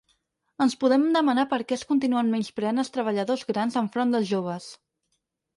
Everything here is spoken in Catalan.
Ens podem demanar per què es continuen menyspreant els treballadors grans enfront dels joves.